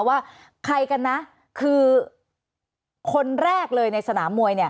ว่าใครกันนะคือคนแรกเลยในสนามมวยเนี่ย